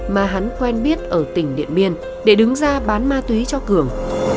mà hắn quen biết ở tỉnh điện biên để đứng ra bán ma túy cho cường